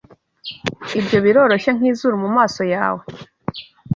Ibyo biroroshye nkizuru mumaso yawe.